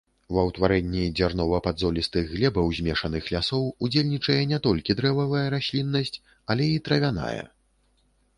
Ва ўтварэнні дзярнова-падзолістых глебаў змешаных лясоў удзельнічае не толькі дрэвавая расліннасць, але і травяная.